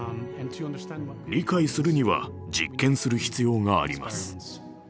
理解するには実験する必要があります。